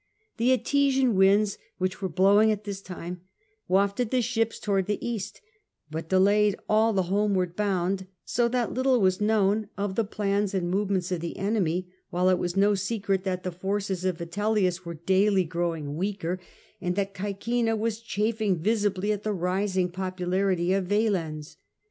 The Etesian winds, which were blow ing at this time, wafted the ships towards the East, but delayed all the homeward bound, so that little was known of the plans and movements of the enemy, while it was no secret that the forces of Vitellius were daily growing weaker, and that Caecina was chafing visibly at the rising popularity of Valens.